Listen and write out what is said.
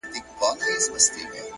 اخلاق د انسان تر شتمنۍ لوړ دي؛